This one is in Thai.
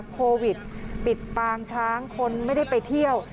โควิดปิดปางช้างคนไม่ได้ไปเที่ยว